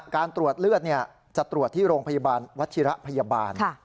การตรวจเลือดจะตรวจที่โรงพยาบาลวัชิระพยาบาล